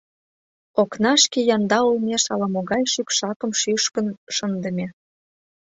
Окнашке янда олмеш ала-могай шӱкшакым шӱшкын шындыме.